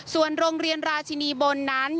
ส่วนโรงเรียนราชินีบนนั้น